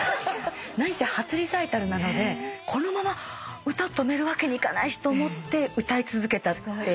何せ初リサイタルなのでこのまま歌止めるわけにいかないしと思って歌い続けたって。